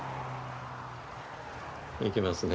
いけますね。